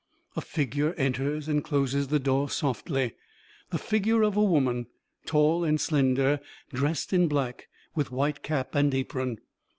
A figure enters and closes the door softly; the figure of a woman, tall and slender, dressed in black, with white cap and apron.